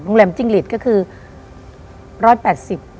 โรงแรมจิ้งฤทธิ์ก็คือ๑๘๐บาท